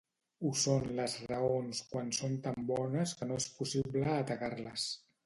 Ho són les raons quan són tan bones que no és possible atacar-les.